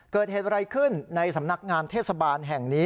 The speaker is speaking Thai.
เกิดเหตุอะไรขึ้นในสำนักงานเทศบาลแห่งนี้